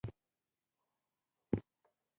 د هوا تودوخه له صفر څخه څلوېښت درجې ښکته کیږي